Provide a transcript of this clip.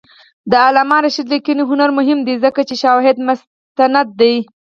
د علامه رشاد لیکنی هنر مهم دی ځکه چې شواهد مستند دي.